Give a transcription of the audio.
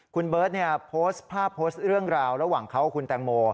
คุณเบิร์ตโพสต์ภาพโพสต์เรื่องราวระหว่างเขากับคุณแตงโม